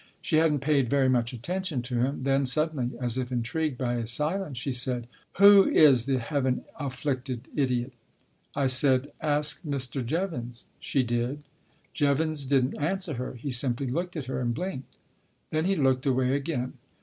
She hadn't paid very much attention to him. Then, suddenly, as if intrigued by his silence, she said :" Who is the Heaven afflicted idiot ?" I said: "Ask Mr. Jevons." She did. Jevons didn't answer her. He simply looked at her and blinked. Then he looked away again.